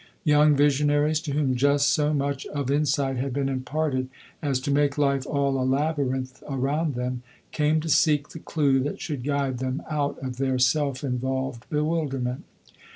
Young visionaries, to whom just so much of insight had been imparted as to make life all a labyrinth around them, came to seek the clew that should guide them out of their self involved bewilderment.